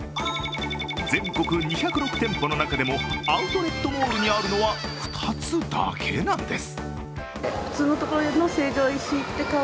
全国２０６店舗の中でもアウトレットモールにあるのは２つだけなんです。